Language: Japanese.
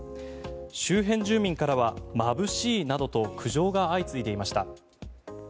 周辺住民からはまぶしいなどと苦情が相次いでいました。